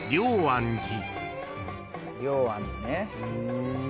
龍安寺ね。